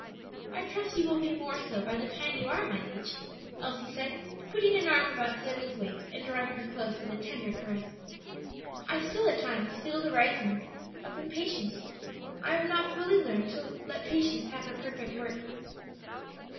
"I trust you will be more so by the time you are my age," Elsie said, putting an arm about Zoe's waist and drawing her close, with a tender caress. "I still at times feel the risings of impatience; I have not fully learned to 'let patience have her perfect work.'